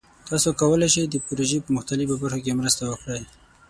تاسو کولی شئ د پروژې په مختلفو برخو کې مرسته وکړئ.